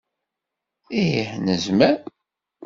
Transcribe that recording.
Ih, nezmer.